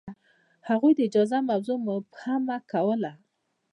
هغوی د اجازه موضوع مبهمه کوله.